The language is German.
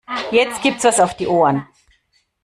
Jetzt gibt's was auf die Ohren.